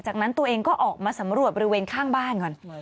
จากนั้นตัวเองก็ออกมาสำรวจบริเวณข้างบ้านก่อน